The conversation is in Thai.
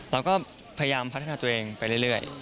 เราก็พยายามพัฒนาตัวเองไปเรื่อย